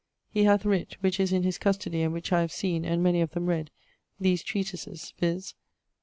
He hath writt (which is in his custodie, and which I have seen, and many of them read) these treatises, viz.